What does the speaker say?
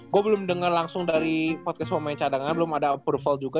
gue belum dengar langsung dari podcast pemain cadangan belum ada approval juga